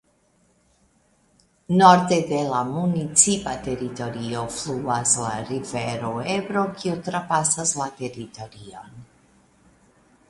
Norde de la municipa teritorio fluas la rivero Ebro kiu trapasas la teritorion.